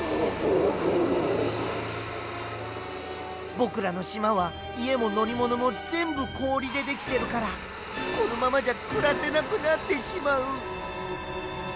ぼくらのしまはいえものりものもぜんぶこおりでできてるからこのままじゃくらせなくなってしまう。